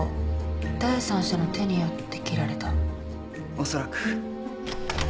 おそらく。